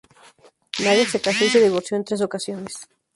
Nagel se casó y se divorció en tres ocasiones.